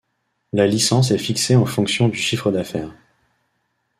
La licence est fixée en fonction du chiffre d'affaires.